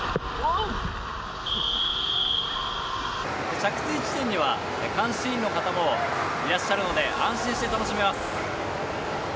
着水地点には監視員の方もいらっしゃるので安心して楽しめます。